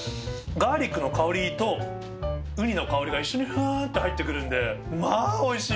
ガーリックの香りとウニの香りが一緒にふぁーって入ってくるんで、まあおいしい。